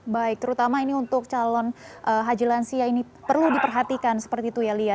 baik terutama ini untuk calon haji lansia ini perlu diperhatikan seperti itu ya lia